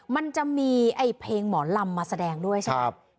มันจะมีไอ้เพลงหมอลำมาแสดงด้วยใช่ไหม